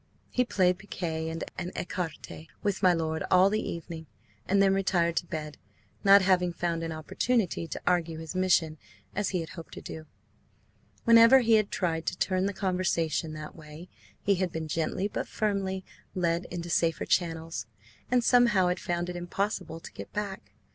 He played piquet and écarté with my lord all the evening, and then retired to bed, not having found an opportunity to argue his mission as he had hoped to do. Whenever he had tried to turn the conversation that way he had been gently but firmly led into safer channels, and somehow had found it impossible to get back.